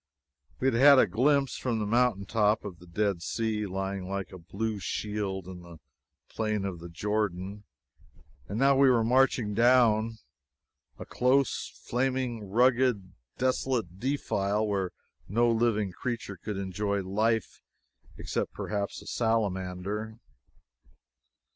We had had a glimpse, from a mountain top, of the Dead Sea, lying like a blue shield in the plain of the Jordan, and now we were marching down a close, flaming, rugged, desolate defile, where no living creature could enjoy life, except, perhaps, a salamander.